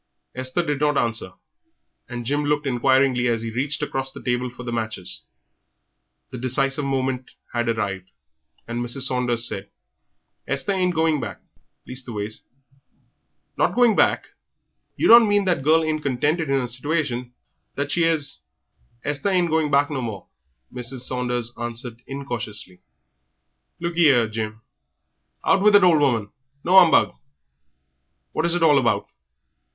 Esther did not answer, and Jim looked inquiringly as he reached across the table for the matches. The decisive moment had arrived, and Mrs. Saunders said "Esther ain't a going back; leastways " "Not going back! You don't mean that she ain't contented in her situation that she 'as " "Esther ain't going back no more," Mrs. Saunders answered, incautiously. "Look ee 'ere, Jim " "Out with it, old woman no 'umbug! What is it all about?